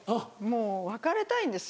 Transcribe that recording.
もう別れたいんです。